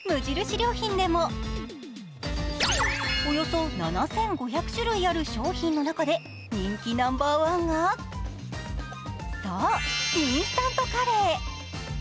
良品でもおよそ７５００アイテムある商品の中で人気の商品はそう、インスタントカレー。